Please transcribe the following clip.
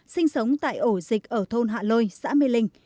sinh sống tại ổ dịch ở thôn hạ lôi xã mê linh